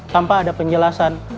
tanpa ada penjelasan